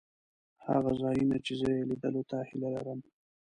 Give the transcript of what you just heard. هغه ځایونه چې زه یې لیدلو ته هیله لرم.